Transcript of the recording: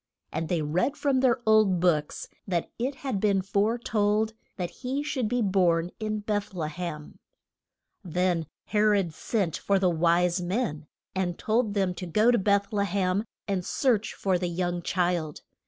And they read from their old books that it had been fore told that he should be born in Beth le hem. Then He rod sent for the wise men, and told them to go to Beth le hem, and search for the young child.